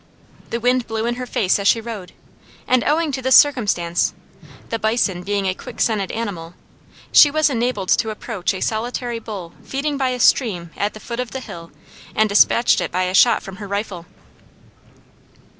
The wind blew in her face as she rode, and owing to this circumstance, the bison being a quick scented animal, she was enabled to approach a solitary bull feeding by a stream at the foot of the hill and dispatched it by a shot from her rifle.